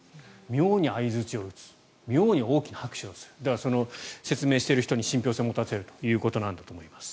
妙に相づちを打つ妙に大きな拍手をする説明している人に信ぴょう性を持たせるということなんだと思います。